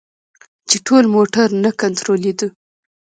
چې ټول موټر نه کنترولیده.